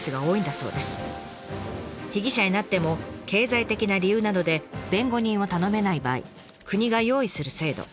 被疑者になっても経済的な理由などで弁護人を頼めない場合国が用意する制度。